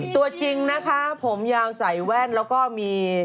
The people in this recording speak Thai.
ตัวจริงนะคะผมยาวใส่แว่นแล้วก็มี